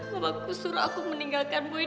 mamaku suruh aku meninggalkan boy